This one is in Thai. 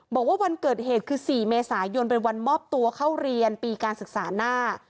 บอกว่าวันเกิดเหตุคือ๔เมษายนเป็นวันมอบตัวเข้าเรียนปีการศึกษาหน้า